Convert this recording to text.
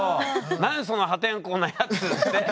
何その破天荒なやつって。